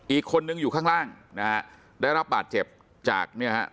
อีกคนนึงอยู่ข้างล่างนะฮะได้รับบาดเจ็บจากเนี่ยฮะ